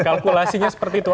kalkulasinya seperti itu